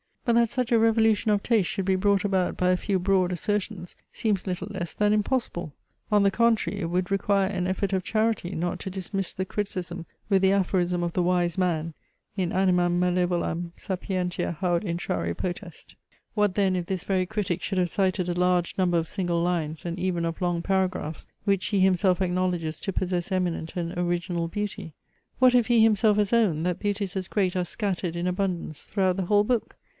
But that such a revolution of taste should be brought about by a few broad assertions, seems little less than impossible. On the contrary, it would require an effort of charity not to dismiss the criticism with the aphorism of the wise man, in animam malevolam sapientia haud intrare potest. What then if this very critic should have cited a large number of single lines and even of long paragraphs, which he himself acknowledges to possess eminent and original beauty? What if he himself has owned, that beauties as great are scattered in abundance throughout the whole book?